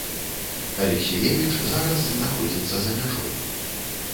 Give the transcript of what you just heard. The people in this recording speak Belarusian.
Алексіевіч зараз знаходзіцца за мяжой.